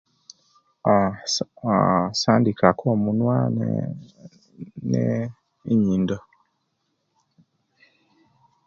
Aa sandikako aa nenyiindo ne ne'nyindo